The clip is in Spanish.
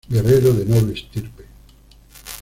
Guerrero de noble estirpe.